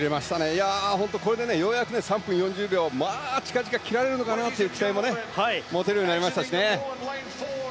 本当にようやく３分４０秒近々切られるのかなという期待も持てるようになりましたしね。